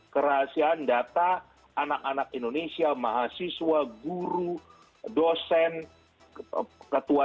kerahasiaan data anak anak indonesia mahasiswa guru dosen ketua